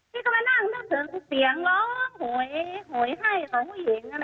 พี่ก็มานั่งเพื่อเสียงร้องหวยให้ของผู้หญิง